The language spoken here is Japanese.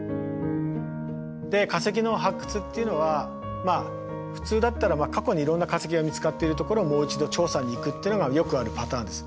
で化石の発掘っていうのはまあ普通だったら過去にいろんな化石が見つかってるところをもう一度調査に行くっていうのがよくあるパターンです。